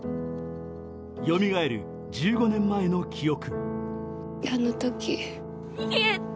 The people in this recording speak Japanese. よみがえる、１５年前の記憶。